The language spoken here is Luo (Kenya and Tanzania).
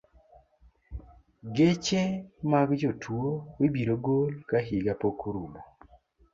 Geche mag jotuo ibiro gol ka higa pok orumo.